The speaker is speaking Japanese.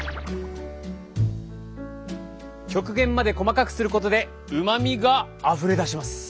極限まで細かくすることでうまみがあふれ出します。